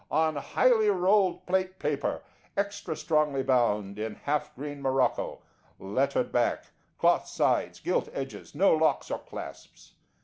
On highly rolled plate paper, extra strongly bound in half green morocco, lettered on back, cloth sides, gilt edges, no locks or clasps.